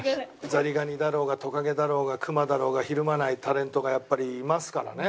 ザリガニだろうがトカゲだろうがクマだろうがひるまないタレントがやっぱりいますからね。